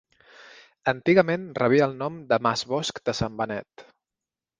Antigament rebia el nom de Mas Bosch de Sant Benet.